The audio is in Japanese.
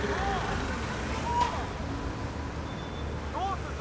どうすんの？